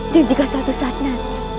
dan jika suatu saat nanti